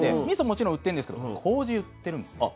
もちろん売ってるんですけどこうじ売ってるんですね。